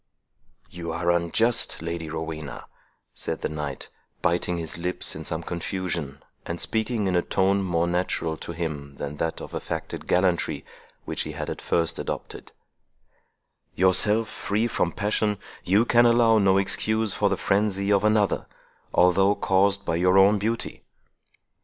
"You are unjust, Lady Rowena," said the knight, biting his lips in some confusion, and speaking in a tone more natural to him than that of affected gallantry, which he had at first adopted; "yourself free from passion, you can allow no excuse for the frenzy of another, although caused by your own beauty."